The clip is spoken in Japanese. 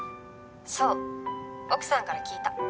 「そう奥さんから聞いた。